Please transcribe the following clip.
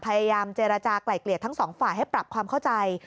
พยายามเจรจากลายเกลี่ยทั้งสองฝ่ายให้ปรับความเข้าใจ